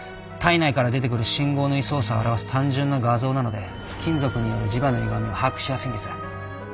体内から出てくる信号の位相差を表す単純な画像なので金属による磁場のゆがみを把握しやすいんです。